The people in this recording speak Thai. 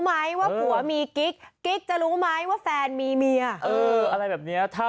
ไหมว่าผัวมีกลิ๊คกลับจะรู้ไม๊ว่าแฟนมีเมียอะไรแบบนี้ถ้า